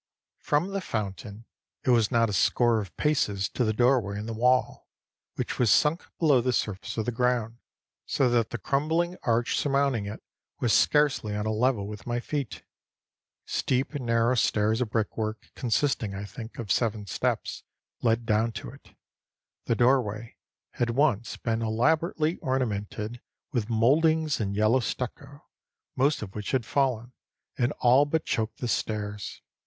From the fountain it was not a score of paces to the doorway in the wall, which was sunk below the surface of the ground, so that the crumbling arch surmounting it was scarcely on a level with my feet. Steep narrow stairs of brick work, consisting, I think, of seven steps, led down to it. The doorway had once been elaborately ornamented with mouldings in yellow stucco, most of which had fallen, and all but choked the stairs.